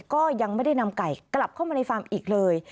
ก็ยังไม่ได้นำไก่กลับเข้ามาในฟาร์มอีกเลย